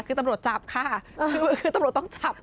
คือตำรวจจับค่ะคือตำรวจต้องจับ